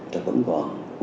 nó vẫn có